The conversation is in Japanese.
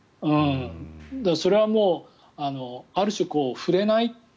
それはもうある種、触れない。